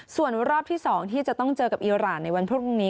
ส่วนรอบที่๒ที่จะต้องเจอกับอีรานในวันพรุ่งนี้